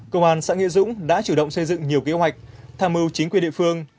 công an xã nghĩa dũng đã chủ động xây dựng nhiều kế hoạch tham mưu chính quyền địa phương